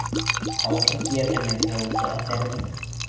— Халыҡ әкиәтеме, яҙыусы әҫәреме?